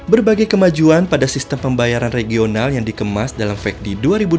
berbagai kemajuan pada sistem pembayaran regional yang dikemas dalam fekdi dua ribu dua puluh